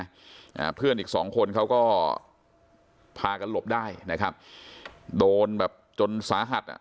อ่าเพื่อนอีกสองคนเขาก็พากันหลบได้นะครับโดนแบบจนสาหัสอ่ะ